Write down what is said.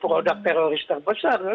menjadi produk teroris terbesar